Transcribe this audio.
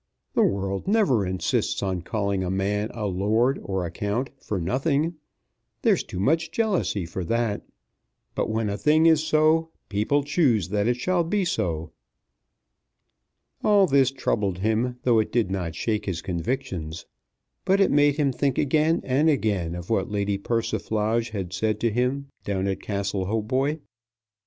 The world never insists on calling a man a Lord or a Count for nothing. There's too much jealousy for that. But when a thing is so, people choose that it shall be so." All this troubled him, though it did not shake his convictions. But it made him think again and again of what Lady Persiflage had said to him down at Castle Hautboy.